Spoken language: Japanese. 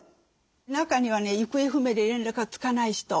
中にはね行方不明で連絡がつかない人。